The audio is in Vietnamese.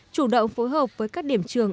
chủ động phối hợp với các điểm trường